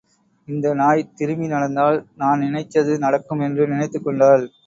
இந்த நாய் திரும்பி நடந்தால் நான் நினைச்சது நடக்கும் என்று நினைத்துக் கொண்டாள்.